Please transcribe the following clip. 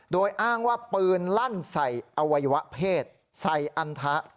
โดยอ้างว่าปืนลั่นใส่อวัยวะเพศใส่อันทะ